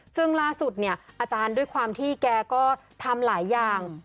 ซึ่งล่าสุดเนี่ยอาจารย์ด้วยความที่แกก็ทำหลายอย่าง